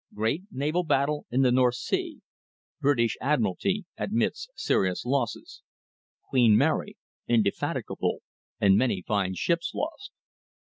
GREAT NAVAL BATTLE IN THE NORTH SEA. BRITISH ADMIRALTY ADMITS SERIOUS LOSSES. "QUEEN MARY," "INDEFATIGABLE," AND MANY FINE SHIPS LOST.